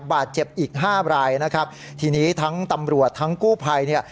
บาดเจ็บอีก๕รายทีนี้ทั้งตำรวจทั้งกู้ภัย